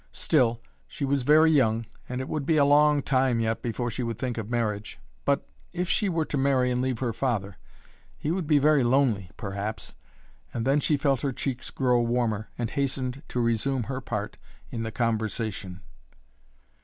Still, she was very young, and it would be a long time yet before she would think of marriage. But if she were to marry and leave her father he would be very lonely perhaps and then she felt her cheeks grow warmer, and hastened to resume her part in the conversation.